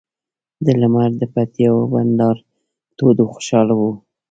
د لمر د پیتاوي بنډار تود و خوشاله وو.